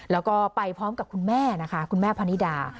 แล้วก็ไปพร้อมกับคุณแม่นะคะคุณแม่พนิดา